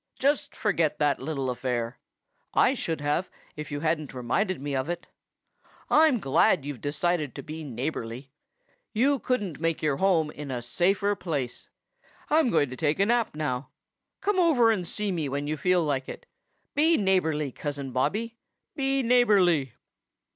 Just forget that little affair. I should have, if you hadn't reminded me of it. I'm glad you've decided to be neighborly. You couldn't make your home in a safer place. I'm going to take a nap now. Come over and see me when you feel like it. Be neighborly, cousin Bobby. Be neighborly."